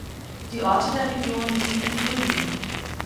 Die Orte der Region liegen im Grünen.